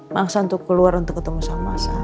maksa untuk keluar untuk ketemu sama mas al